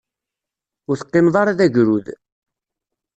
Ur teqqimeḍ ara d agrud.